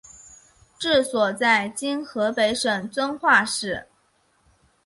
治所在今河北省遵化市。